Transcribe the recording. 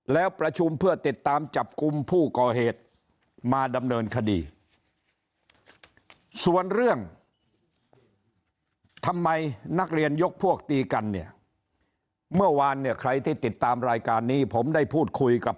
แล้วประชุมเพื่อติดตามจับกลุ่มผู้ก่อเหตุมาดำเนินคดีส่วนเรื่องทำไมนักเรียนยกพวกตีกันเนี่ยเมื่อวานเนี่ยใครที่ติดตามรายการนี้ผมได้พูดคุยกับ